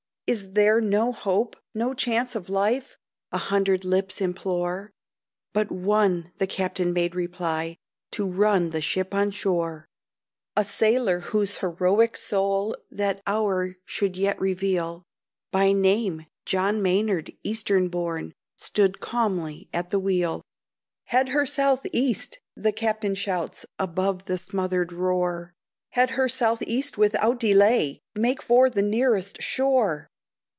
"Is there no hope no chance of life?" A hundred lips implore, "But one," the captain made reply, "To run the ship on shore." A sailor, whose heroic soul That hour should yet reveal, By name John Maynard, eastern born, Stood calmly at the wheel. "Head her south east!" the captain shouts, Above the smothered roar, "Head her south east without delay! Make for the nearest shore!"